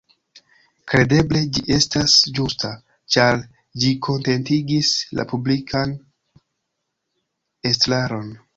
Kredeble ĝi estas ĝusta, ĉar ĝi kontentigis la publikan estraron.